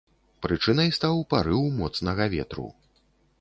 Прычынай стаў парыў моцнага ветру.